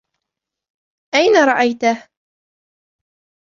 أين رأيته?